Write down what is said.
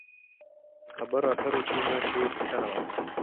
خبرو اترو کښې مو ترې پوښتنه وکړه